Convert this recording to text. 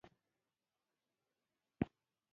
دا هغه ډار دی چې وال پول یې له لاسوهنې را وګرځاوه.